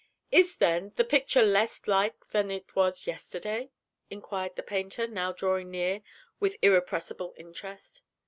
"Is, then, the picture less like than it was yesterday?" inquired the painter, now drawing near, with irrepressible interest.